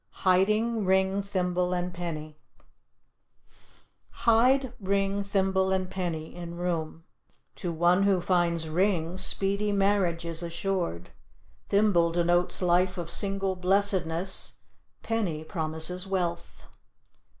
HIDING RING, THIMBLE AND PENNY Hide ring, thimble and penny in room. To one who finds ring, speedy marriage is assured; thimble denotes life of single blessedness; penny promises wealth.